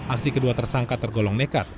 aksi kedua tersangka tergolong nekat